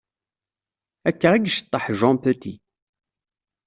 Akka i yecceṭaḥ Jean Petit.